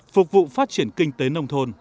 phục vụ phát triển kinh tế nông thôn